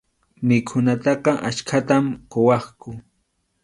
Mikhunataqa achkatam quwaqku.